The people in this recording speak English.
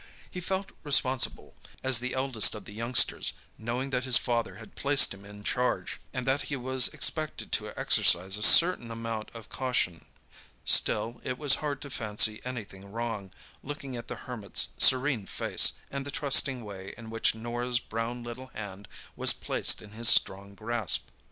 He felt responsible, as the eldest of the youngsters, knowing that his father had placed him in charge, and that he was expected to exercise a certain amount of caution. Still it was hard to fancy anything wrong, looking at the Hermit's serene face, and the trusting way in which Norah's brown little hand was placed in his strong grasp.